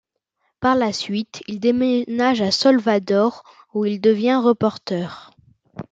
Par la suite, il déménage à Salvador, où il devient reporter.